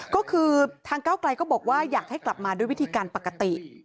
ก็คือทางก้าวไกลก็บอกว่าอยากให้กลับมาด้วยวิธีการปกติ